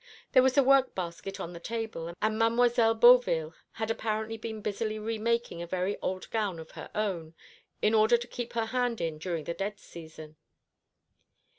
There was a work basket on the table, and Mademoiselle Beauville had apparently been busily remaking a very old gown of her own, in order to keep her hand in during the dead season.